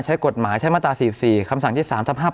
ใช้กฎหมายใช้มาตรา๔๔คำสั่งที่๓ทับ๕๘